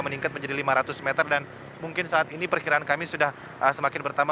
meningkat menjadi lima ratus meter dan mungkin saat ini perkiraan kami sudah semakin bertambah